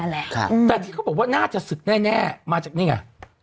แหละแต่ที่เขาบอกว่าน่าจะศึกแน่มาจากนี่ไง